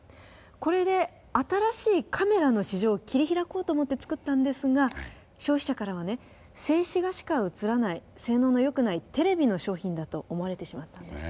これで新しいカメラの市場を切り開こうと思って作ったんですが消費者からはね静止画しか映らない性能の良くないテレビの商品だと思われてしまったんです。